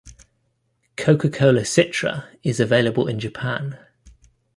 Coca-Cola Citra is available in Japan.